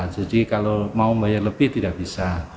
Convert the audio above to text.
jadi kalau mau membayar lebih tidak bisa